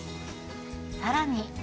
さらに。